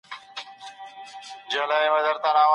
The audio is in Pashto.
له خاوند سره په ادب سلوک کول د چا مکلفيت دی؟